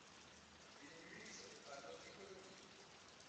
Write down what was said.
Ils nuisent à notre économie.